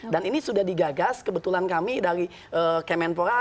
dan ini sudah digagas kebetulan kami dari kemenpora